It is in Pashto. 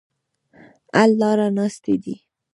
حل لاره ناستې دي.